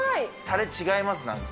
たれ違います？